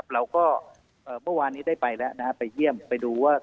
เมื่อวานนี้ได้ไปแล้วไปเยี่ยมไปดูว่า